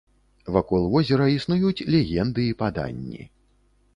Вакол возера існуюць легенды і паданні.